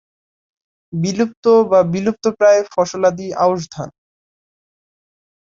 বিলুপ্ত বা বিলুপ্তপ্রায় ফসলাদি আউশ ধান।